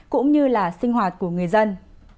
cũng như là sinh hoạt của người dân